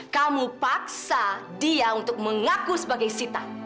kamu paksa dia untuk mengaku sebagai sita